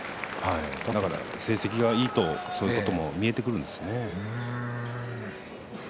成績がいいと、そういうところも見えてくるんですね。